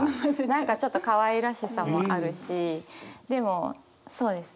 何かちょっとかわいらしさもあるしでもそうですね